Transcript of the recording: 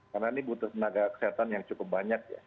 karena ini butuh tenaga kesehatan yang cukup banyak